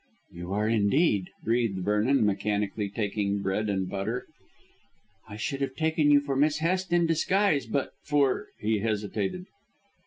"You are indeed," breathed Vernon, mechanically taking bread and butter. "I should have taken you for Miss Hest in disguise but for " he hesitated.